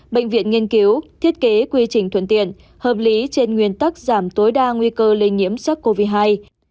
bệnh viện nghiên cứu thiết kế quy trình thuận tiện hợp lý trên nguyên tắc giảm tối đa nguy cơ lây nhiễm sắc covid một mươi chín